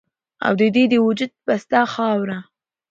او د دې د وجود پسته خاوره